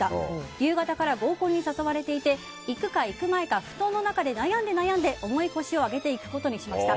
夕方から合コンに誘われていて行く行かまいか布団の中で悩んで重い腰を上げて行くことにしました。